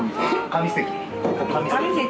神席。